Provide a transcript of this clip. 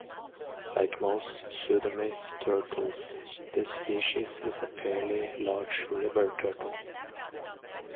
Like most "Pseudemys" turtles, this species is a fairly large river turtle.